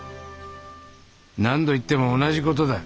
何度言っても同じ事だ。